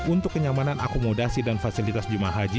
untuk kenyamanan akomodasi dan fasilitas jemaah haji